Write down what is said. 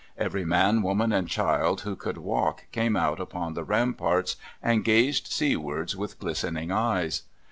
Every man, woman, and child who could walk came out upon the ramparts and gazed seawards with glistening eyes.